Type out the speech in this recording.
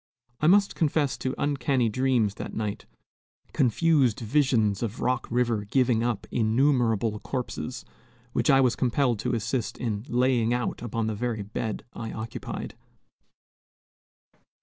I must confess to uncanny dreams that night, confused visions of Rock River giving up innumerable corpses, which I was compelled to assist in "laying out" upon the very bed I occupied.